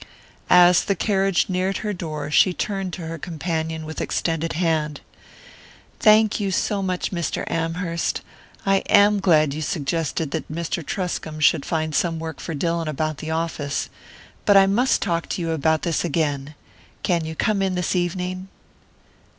As the carriage neared her door she turned to her companion with extended hand. "Thank you so much, Mr. Amherst. I am glad you suggested that Mr. Truscomb should find some work for Dillon about the office. But I must talk to you about this again can you come in this evening?"